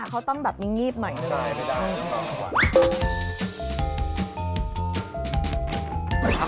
แต่ในนี้ต้องมีหลายสามบาร์ทแกร่าใหม่